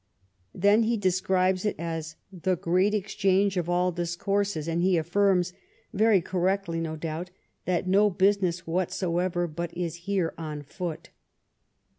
Then he describes it as "the great Exchange of all Discourses," and he affirms, very cor rectly, no doubt, that " no Business whatsoever' but is here on Foot."